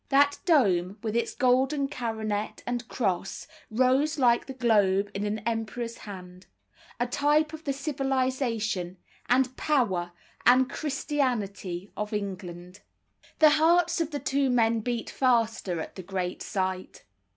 That dome, with its golden coronet and cross, rose like the globe in an emperor's hand a type of the civilisation, and power, and Christianity of England. The hearts of the two men beat faster at the great sight.